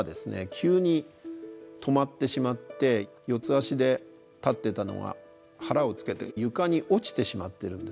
急に止まってしまって四つ足で立ってたのが腹をつけて床に落ちてしまってるんですね。